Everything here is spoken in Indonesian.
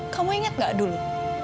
kamu ingat gak dulu